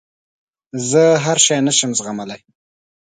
زه هر شی نه شم زغملای.